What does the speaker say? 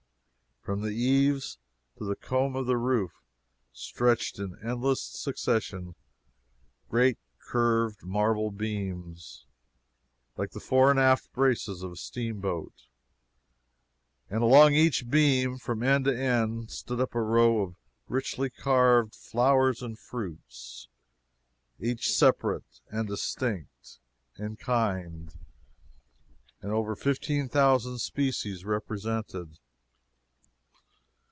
From the eaves to the comb of the roof stretched in endless succession great curved marble beams, like the fore and aft braces of a steamboat, and along each beam from end to end stood up a row of richly carved flowers and fruits each separate and distinct in kind, and over 15,000 species represented.